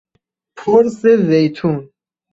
پرس زیتون